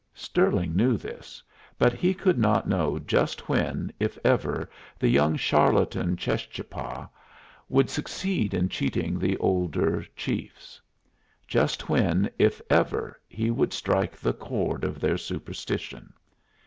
Stirling knew this; but he could not know just when, if ever, the young charlatan Cheschapah would succeed in cheating the older chiefs; just when, if ever, he would strike the chord of their superstition.